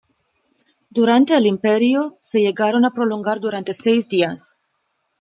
Durante el Imperio, se llegaron a prolongar durante seis días.